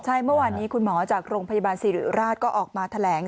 ใช่เมื่อวานนี้คุณหมอจากโรงพยาบาลสิริราชก็ออกมาแถลง